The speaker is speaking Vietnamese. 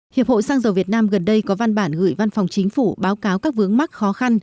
hiệp hội xăng dầu việt nam gần đây có văn bản gửi văn phòng chính phủ báo cáo các vướng mắc khó khăn